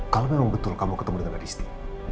kalau memang betul kamu ketemu dengan adisti